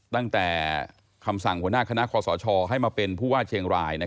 ตั้งแต่คำสั่งหัวหน้าคณะคอสชให้มาเป็นผู้ว่าเชียงราย